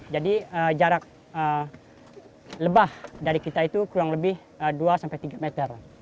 jadi jarak lebah dari kita itu kurang lebih dua sampai tiga meter